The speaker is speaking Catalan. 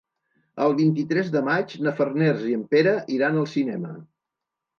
El vint-i-tres de maig na Farners i en Pere iran al cinema.